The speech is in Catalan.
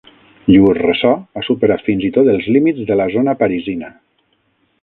Llur ressò ha superat fins i tot els límits de la zona parisina.